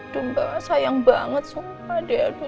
duh mbak sayang banget sumpah deh